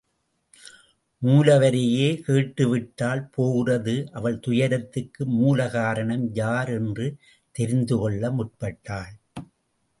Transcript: மூலவரையே கேட்டுவிட்டால் போகிறது அவள் துயரத்துக்கு மூல காரணம் யார் என்று தெரிந்து கொள்ள முற்பட்டாள்.